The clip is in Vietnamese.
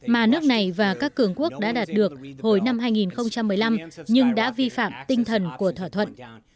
mà nước này và các cường quốc đã đạt được hồi năm hai nghìn một mươi năm nhưng đã vi phạm tinh thần của thỏa thuận